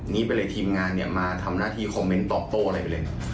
ไปเลยทีมงานเนี่ยมาทำหน้าที่คอมเมนต์ตอบโต้อะไรไปเลย